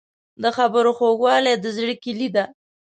د خبرو خوږوالی د زړه کیلي ده.